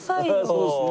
そうですね。